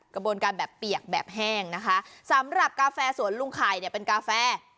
กระบวนการแบบเปียกแบบแห้งนะคะสำหรับกาแฟสวนลุงไข่เนี่ยเป็นกาแฟ